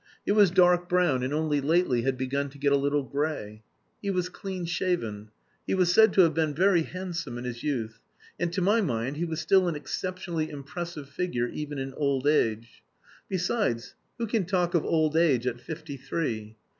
It was dark brown, and only lately had begun to get a little grey. He was clean shaven. He was said to have been very handsome in his youth. And, to my mind, he was still an exceptionally impressive figure even in old age. Besides, who can talk of old age at fifty three?